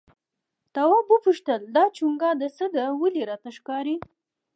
تواب وپوښتل دا چونگا د څه ده ولې راته ښکاري؟